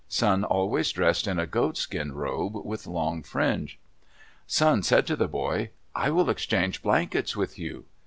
Sun always dressed in a goatskin robe, with long fringe. Sun said to the boy, "I will exchange blankets with you."